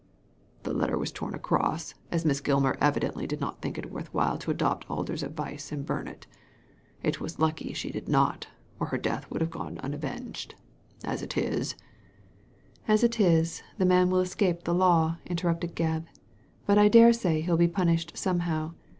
The letter was torn across, as Miss Gilmar evidently did not think it worth while to adopt Alder's advice and bum it It was lucky she did not, or her death would have gone unavenged ; as it is " "As it is, the man will escape the law," inter rupted Gebb, "but I dare say hell be punished somehow.